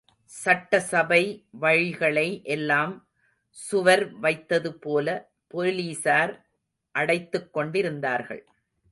சட்டசபை வழிகளை எல்லாம் சுவர் வைத்ததுபோல போலீசார் அடைத்துக் கொண்டிருந்தார்கள்.